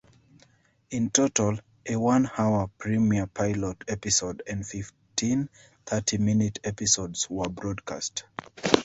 In total a one-hour premiere pilot episode and fifteen thirty-minute episodes were broadcast.